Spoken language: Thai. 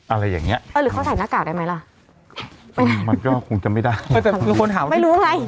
อะไรอย่างเงี้เออหรือเขาใส่หน้ากากได้ไหมล่ะมันก็คงจะไม่ได้แต่มีคนถามว่าไม่รู้ไง